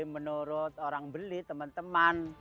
menurut orang beli teman teman